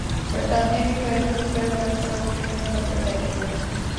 برطانیہ کی پہلی خودکار بس نے دو میل کا سفر طے کیا